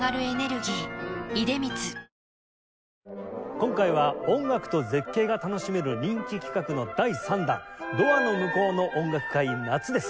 今回は音楽と絶景が楽しめる人気企画の第３弾「ドアの向こうの音楽会夏」です。